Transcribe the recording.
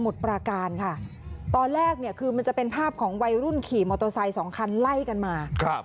ปราการค่ะตอนแรกเนี่ยคือมันจะเป็นภาพของวัยรุ่นขี่มอเตอร์ไซค์สองคันไล่กันมา